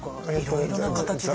いろいろな形で。